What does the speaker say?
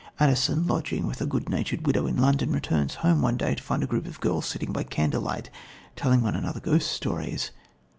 Addison, lodging with a good natured widow in London, returns home one day to find a group of girls sitting by candlelight, telling one another ghost stories.